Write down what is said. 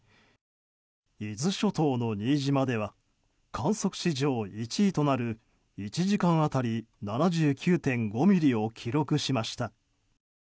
伊豆諸島の新島では観測史上１位となる１時間当たり７９．５ミリを記録しました。